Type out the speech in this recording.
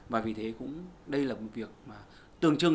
và vì thế cũng đây là một việc mà tường trưng